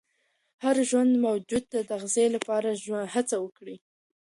هر ژوندي موجود د تغذیې لپاره هڅه کوي.